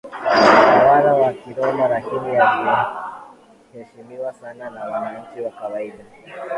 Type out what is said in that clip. utawala wa Kiroma Lakini waliheshimiwa sana na wananchi wa kawaida